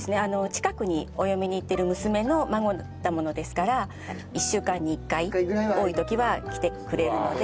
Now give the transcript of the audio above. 近くにお嫁にいってる娘の孫なものですから１週間に１回多い時は来てくれるので。